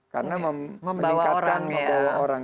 karena mempengingkatkan membawa orang